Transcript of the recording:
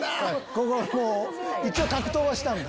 ここもう一応格闘はしたんだ。